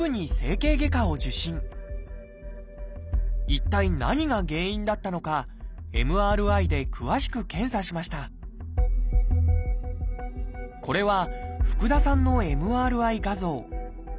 一体何が原因だったのかＭＲＩで詳しく検査しましたこれは福田さんのＭＲＩ画像。